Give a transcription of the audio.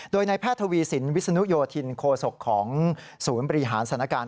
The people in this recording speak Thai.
โดยนายแพทย์ทวีสินวิศนุโยธินโคศกของศูนย์บริหารสถานการณ์